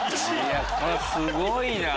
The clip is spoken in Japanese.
すごいな！